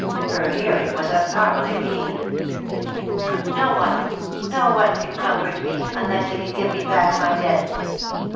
Her hearing was abnormally keen. "No one, no one can comfort me, unless they can give me back my dead."